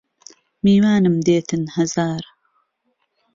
میوانم دێتن هەزار